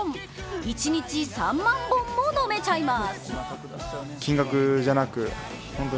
一日３万本も飲めちゃいます！